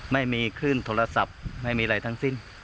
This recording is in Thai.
ไม่มีขึ้นโทรศัพท์ไม่มีอะไรทั้งสิ้น